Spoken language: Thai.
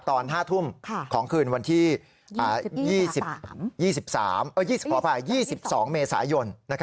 ตอน๕ทุ่มของคืนวันที่๒๒เมษายน